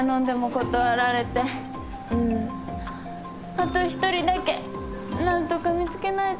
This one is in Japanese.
あと一人だけ何とか見つけないと。